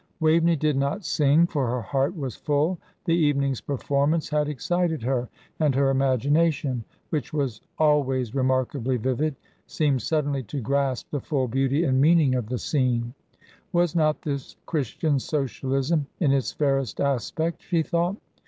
Waveney did not sing, for her heart was full. The evening's performance had excited her, and her imagination, which was always remarkably vivid, seemed suddenly to grasp the full beauty and meaning of the scene. Was not this Christian socialism in its fairest aspect? she thought.